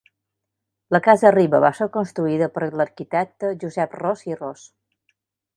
La Casa Riba va ser construïda per l'arquitecte Josep Ros i Ros.